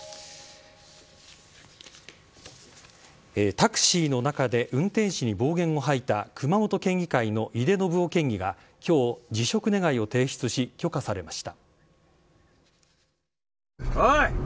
タクシーの中で運転手に暴言を吐いた熊本県議会の井手順雄県議が今日、辞職願を提出し許可されました。